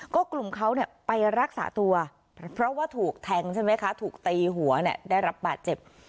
ก็กลุ่มเขาไปรักษาตัวเพราะว่าถูกแทงใช่ไหมคะถูกตีหัวได้รับบาดเจ็บ